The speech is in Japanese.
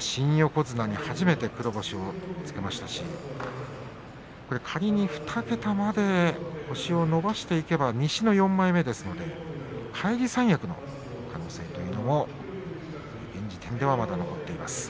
新横綱に初めて黒星をつけましたし仮に２桁まで星を伸ばしていけば西の４枚目ですので返り三役の可能性というのも現時点ではまだ残っています。